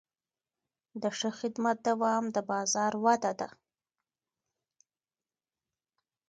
د ښه خدمت دوام د بازار وده ده.